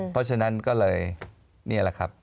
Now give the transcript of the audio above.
เพราะฉะนั้นก็เลยนี่แหละครับ